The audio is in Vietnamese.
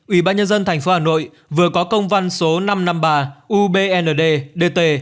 ủy ban nhân dân tp hà nội vừa có công văn số năm trăm năm mươi ba ubnd dt